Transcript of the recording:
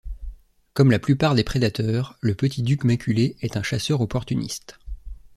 Comme la plupart des prédateurs, le Petit-duc maculé est un chasseur opportuniste.